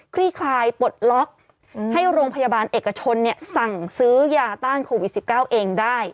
ลี่คลายปลดล็อกให้โรงพยาบาลเอกชนสั่งซื้อยาต้านโควิด๑๙เองได้